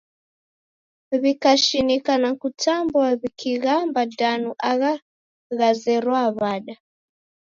W'ikashinika na kutambwa wikighamba danu agha ghazerwaa w'ada?